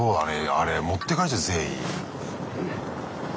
あれ持ってかれちゃう全員。